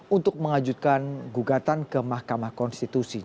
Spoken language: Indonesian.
untuk mengajukan gugatan ke mahkamah konstitusi